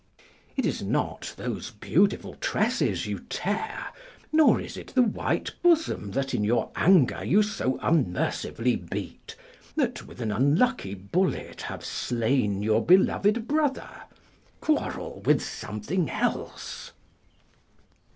It is not those beautiful tresses you tear, nor is it the white bosom that in your anger you so unmercifully beat, that with an unlucky bullet have slain your beloved brother; quarrel with something else.